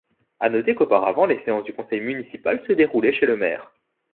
À noter qu'auparavant, les séances du Conseil municipal se déroulaient chez le maire.